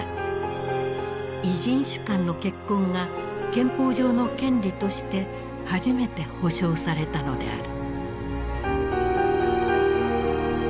異人種間の結婚が憲法上の権利として初めて保障されたのである。